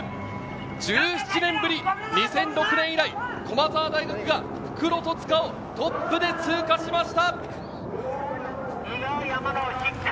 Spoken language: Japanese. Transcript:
１７年ぶり、２００６年以来、駒澤大学が復路・戸塚をトップで通過しました。